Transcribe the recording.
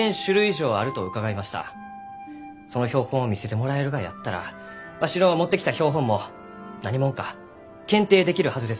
その標本を見せてもらえるがやったらわしの持ってきた標本も何もんか検定できるはずです。